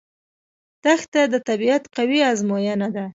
دښته د طبیعت قوي ازموینه ده.